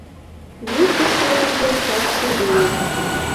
Группышто тудо старший лийын.